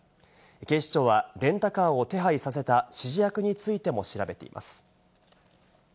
警視庁はレンタカーを手配させた指示役についても調べています。